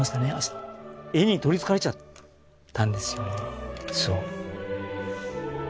絵に取りつかれちゃったんですよねそう。